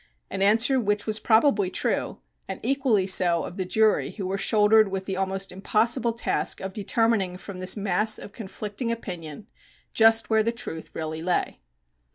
an answer which was probably true, and equally so of the jury who were shouldered with the almost impossible task of determining from this mass of conflicting opinion just where the truth really lay.